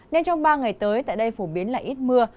nên trong ba ngày tới tại đây phổ biến là ít mưa